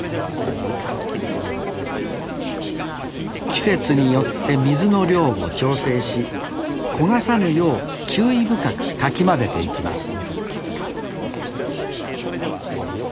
季節によって水の量を調整し焦がさぬよう注意深くかき混ぜていきます